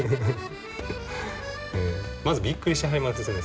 まずびっくりしはりますね